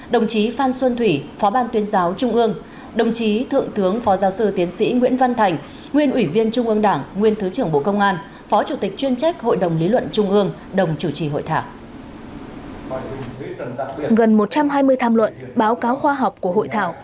đồng chí phan xuân thủy phó ban tuyên giáo trung ương đồng chí thượng tướng phó giáo sư tiến sĩ nguyễn văn thành nguyên ủy viên trung ương đảng nguyên thứ trưởng bộ công an phó chủ tịch chuyên trách hội đồng lý luận trung ương đồng chủ trì hội thảo